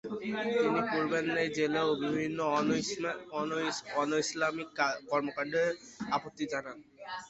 তিনি পূর্বের ন্যায় জেলেও বিভিন্ন অনৈসলামিক কর্মকাণ্ডে আপত্তি জানান।